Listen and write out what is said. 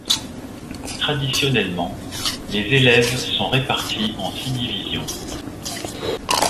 Traditionnellement, les élèves sont répartis en six divisions.